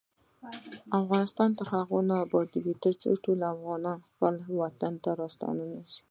افغانستان تر هغو نه ابادیږي، ترڅو ټول افغانان خپل وطن ته راستانه نشي.